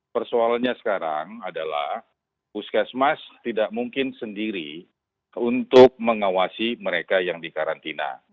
persoalannya sekarang adalah puskesmas tidak mungkin sendiri untuk mengawasi mereka yang dikarantina